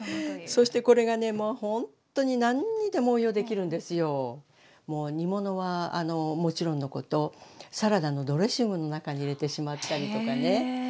そしてこれがねもうほんとに煮物はもちろんのことサラダのドレッシングの中に入れてしまったりとかね。